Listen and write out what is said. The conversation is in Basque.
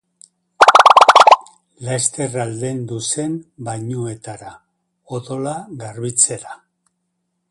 Laster aldendu zen bainuetara, odola garbitzera.